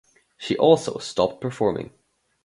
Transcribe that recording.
She also stopped performing.